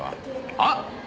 あっ！